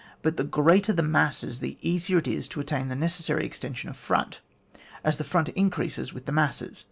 But the greater the masses the easier it is to attain the necessary exten sion of front, as the front increases with the masses (No.